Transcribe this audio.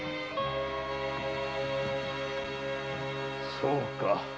そうか。